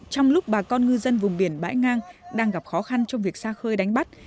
trong lúc bà con ngư dân vùng biển bãi ngang đang gặp khó khăn trong việc xa khơi đánh bắt